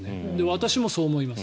私もそう思います。